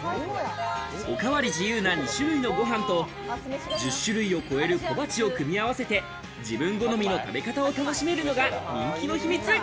おかわり自由な２種類のご飯と、１０種類を超える小鉢を組み合わせて、自分好みの食べ方を楽しめるのが人気の秘密。